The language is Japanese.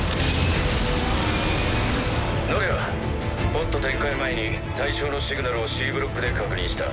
ノレアポッド展開前に対象のシグナルをＣブロックで確認した。